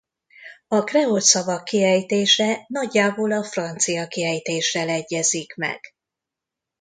A kreol szavak kiejtése nagyjából a francia kiejtéssel egyezik meg.